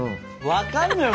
分かるのよ